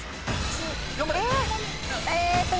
頑張れ！